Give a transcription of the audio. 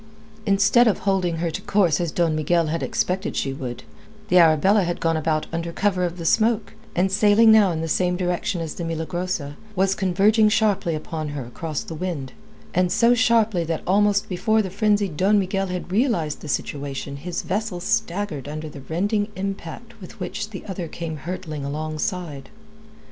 Instead of holding to her course as Don Miguel had expected she would, the Arabella had gone about under cover of the smoke, and sailing now in the same direction as the Milagrosa, was converging sharply upon her across the wind, so sharply that almost before the frenzied Don Miguel had realized the situation, his vessel staggered under the rending impact with which the other came hurtling alongside.